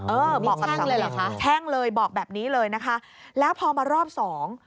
อื้อมีแท่งเลยเหรอคะบอกแบบนี้เลยนะคะแล้วพอมารอบสอง